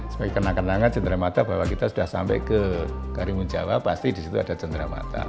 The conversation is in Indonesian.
sebagai kena kenangan cendera mata bahwa kita sudah sampai ke karimun jawa pasti di situ ada cendera mata